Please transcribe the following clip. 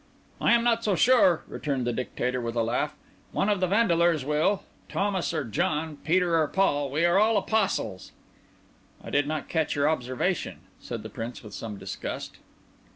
"I am not so sure," returned the Dictator, with a laugh. "One of the Vandeleurs will. Thomas or John—Peter or Paul—we are all apostles." "I did not catch your observation," said the Prince with some disgust.